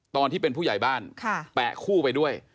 ตอนที่เป็นผู้ใหญ่บ้านแปะคู่ไปด้วย